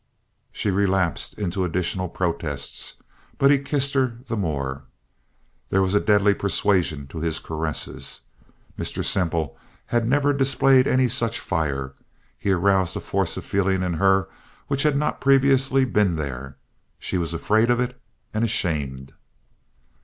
She relapsed into additional protests; but he kissed her the more. There was a deadly persuasion to his caresses. Mr. Semple had never displayed any such fire. He aroused a force of feeling in her which had not previously been there. She was afraid of it and ashamed.